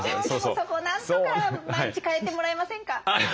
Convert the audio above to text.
そこをなんとか毎日変えてもらえませんか？